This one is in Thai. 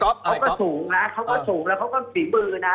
เขาก็สูงนะและเขาก็มีปีภูมินะ